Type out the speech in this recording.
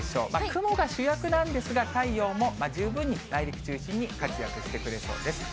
雲が主役なんですが、太陽も十分に内陸中心に活躍してくれそうです。